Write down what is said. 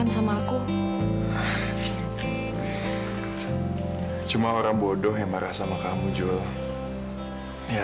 sampai jumpa di video selanjutnya